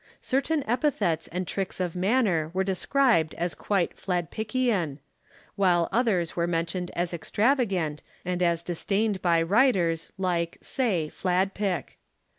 Certain epithets and tricks of manner were described as quite Fladpickian, while others were mentioned as extravagant and as disdained by writers like, say, Fladpick.